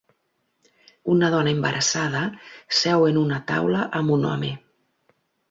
Una dona embarassada seu en una taula amb un home.